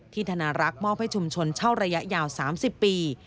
ธนารักษ์มอบให้ชุมชนเช่าระยะยาว๓๐ปี